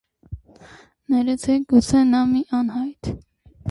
- Ներեցեք, գուցե նա մի անհայտ…